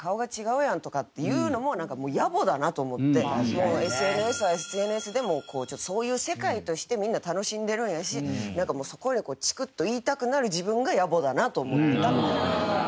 もうＳＮＳはＳＮＳでそういう世界としてみんな楽しんでるんやしなんかもうそこにチクッと言いたくなる自分が野暮だなと思ったっていう。